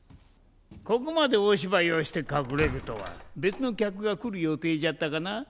ここまで大芝居をして隠れるとは別の客が来る予定じゃったかな？